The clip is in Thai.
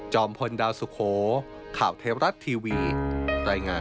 พลดาวสุโขข่าวเทวรัฐทีวีรายงาน